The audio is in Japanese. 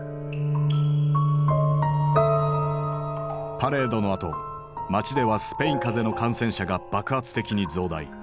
パレードのあと街ではスペイン風邪の感染者が爆発的に増大。